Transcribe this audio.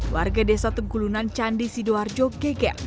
warga desa tegulunan candi sidoarjo geger